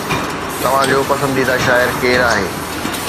توهان جو پسنديده شاعر ڪير آهي؟